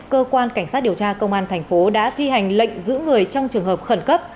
cơ quan cảnh sát điều tra công an thành phố đã thi hành lệnh giữ người trong trường hợp khẩn cấp